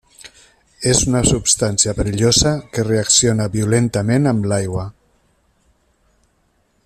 És una substància perillosa que reacciona violentament amb l'aigua.